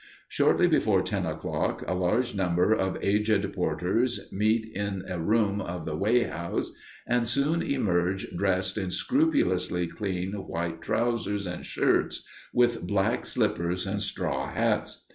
Shortly before ten o'clock a large number of aged porters meet in a room of the weigh house, and soon emerge dressed in scrupulously clean white trousers and shirts, with black slippers and straw hats.